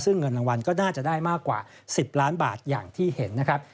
ซึ่งเงินรางวัลก็น่าจะได้มากกว่า๑๐ล้านบาทอย่างที่เห็นนะครับ